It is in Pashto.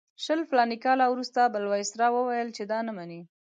شل فلاني کاله وروسته بل وایسرا وویل چې دا نه مني.